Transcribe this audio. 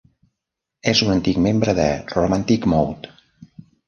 És un antic membre de "Romantic Mode".